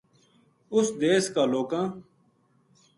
اُس دیس کا لوکاں